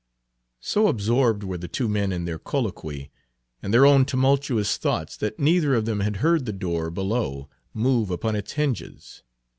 So absorbed were the two men in their colloquy and their own tumultuous thoughts that neither of them had heard the door below move upon its hinges.